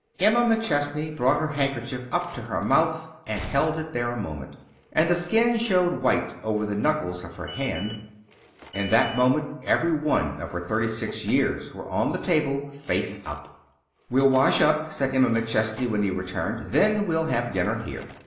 Emma McChesney brought her handkerchief up to her mouth and held it there a moment, and the skin showed white over the knuckles of her hand. In that moment every one of her thirty six years were on the table, face up. "We'll wash up," said Emma McChesney, when he returned, "and then we'll have dinner here."